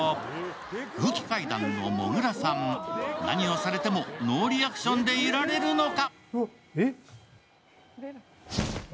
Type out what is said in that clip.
空気階段のモグラさん、何をされてもノーリアクションでいられるのか。